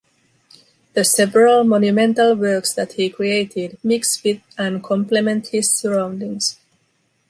The several monumental works that he created mix with and complement his surroundings.